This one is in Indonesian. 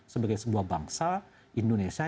sebagai sebuah bangsa indonesia